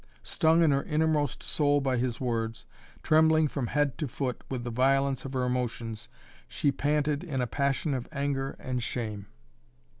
Stung in her innermost soul by his words, trembling from head to foot with the violence of her emotions, she panted in a passion of anger and shame.